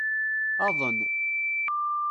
Aḍen.